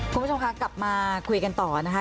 คุณผู้ชมคะกลับมาคุยกันต่อนะคะ